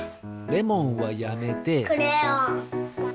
レモンはやめて。